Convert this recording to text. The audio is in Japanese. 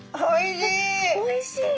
おいしい！